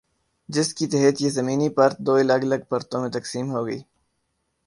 جس کی تحت یہ زمینی پرت دو الگ الگ پرتوں میں تقسیم ہوگی۔